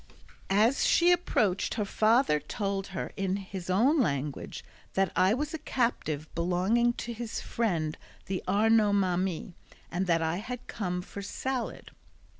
As she approached her father told her in his own language that I was a captive belonging to his friend the Arnaut Mami, and that I had come for salad.